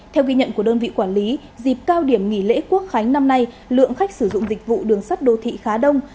theo ghi nhận của đơn vị quản lý dịp cao điểm nghỉ lễ quốc khánh năm nay lượng khách sử dụng dịch vụ đường sắt đô thị khá đông